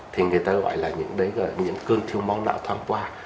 thì người ta gọi là những cơn thiêu mong đạo thoáng qua